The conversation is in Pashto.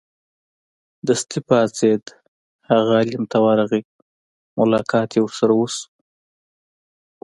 دستې پاڅېد هغه عالم ت ورغی ملاقات یې ورسره وشو.